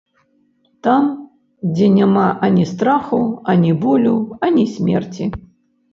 Там, дзе няма ані страху, ані болю, ані смерці.